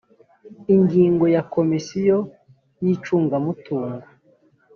ingingo ya komisiyo y icungamutungo